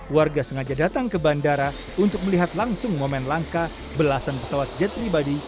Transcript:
warga sengaja datang ke bandara untuk melihat langsung momen langka belasan pesawat jet pribadi